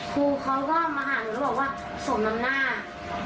ครูเขาก็มาหาหนูแล้วบอกว่าสมน้ำหน้า